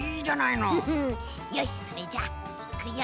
よしそれじゃあいくよ。